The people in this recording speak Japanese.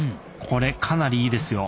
これかなりいいですよ。